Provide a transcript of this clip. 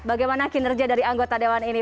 bagaimana kinerja dari anggota dewan ini